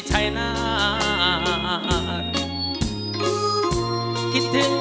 เชียวหนึ่ง